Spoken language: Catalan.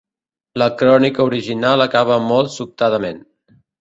La crònica original acaba molt sobtadament.